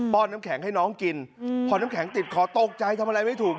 ้อนน้ำแข็งให้น้องกินพอน้ำแข็งติดคอตกใจทำอะไรไม่ถูก